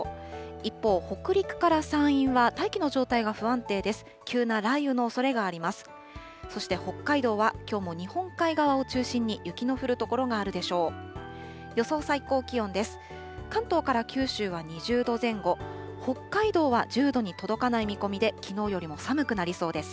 一方、北陸から山陰は大気の状態が不安定です。